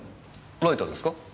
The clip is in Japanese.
ライターですか？